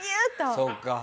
そうか。